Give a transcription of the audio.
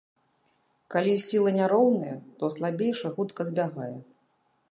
Калі сілы няроўныя, то слабейшы хутка збягае.